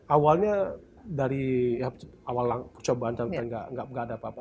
awalnya dari awal percobaan kita enggak ada apa apa